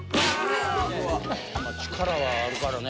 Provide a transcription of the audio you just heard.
力はあるからね。